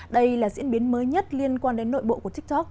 đây là diễn biến mới nhất liên quan đến nội bộ của tiktok